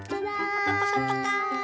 パカパカパカー。